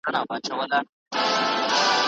د شخصیتونو په اړه بې پرې اوسئ.